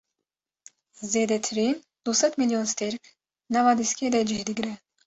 Zêdetirîn du sed mîlyon stêrk nava dîskê de cih digire.